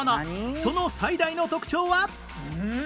その最大の特徴は